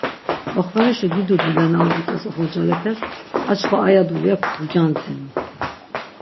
Oxvenuşi dido dulya na uğut̆es oxorcalepes arçkva aya dulya kogyandzinu.